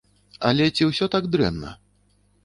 Але ці ўсё так дрэнна?